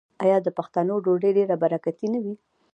آیا د پښتنو ډوډۍ ډیره برکتي نه وي؟